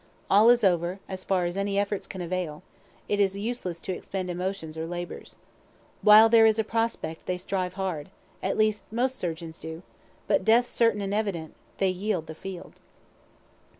All is over, as far as any efforts can avail; it is useless to expend emotions or labors. While there is a prospect they strive hard at least most surgeons do; but death certain and evident, they yield the field.